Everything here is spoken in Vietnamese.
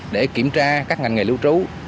để kiểm tra các ngành nghề lưu trú